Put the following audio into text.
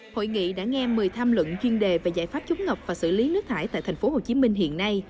hội nghị đã nghe một mươi tham luận chuyên đề về giải pháp chống ngập và xử lý nước thải tại tp hcm hiện nay